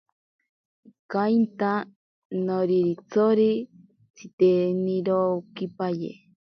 Ikainta noriritsori tsitenirokipaye.